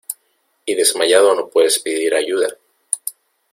y desmayado no puedes pedir ayuda.